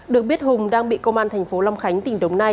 được biết hùng đang bị công an thành phố long khánh tỉnh đồng nai